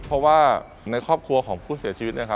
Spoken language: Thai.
เพราะว่าในครอบครัวของผู้เสียชีวิต